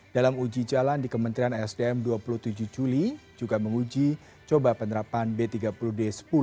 dalam uji jalan di kementerian sdm dua puluh tujuh juli juga menguji coba penerapan b tiga puluh d sepuluh